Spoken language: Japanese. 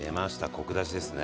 コク出しですね。